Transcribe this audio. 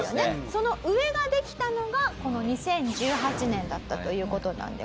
その上ができたのがこの２０１８年だったという事なんでございます。